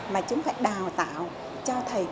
mà chúng ta đào tạo cho thầy cô